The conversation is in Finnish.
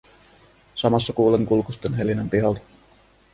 Samassa kuulen kulkusten helinän pihalta.